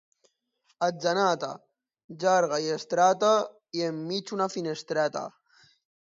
Atzeneta, llarga i estreta i en mig una finestreta.